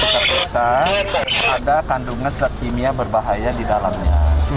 terpaksa ada kandungan zat kimia berbahaya di dalamnya